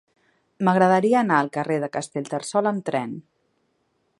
M'agradaria anar al carrer de Castellterçol amb tren.